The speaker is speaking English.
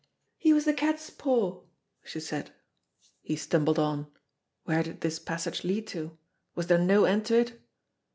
"He was the cat's paw," she said. He stumbled on. Where did this passage lead to? Was there no end to it?